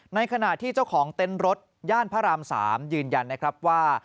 ในขณะที่เจ้าของเต็นต์รถย่านพระราม๓ยืนยันนะครับว่า